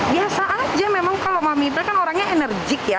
biasa saja memang kalau meminta kan orangnya energi